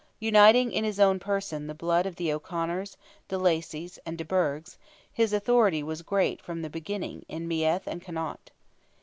Uniting in his own person the blood of the O'Conors, de Lacys, and de Burghs, his authority was great from the beginning in Meath and Connaught.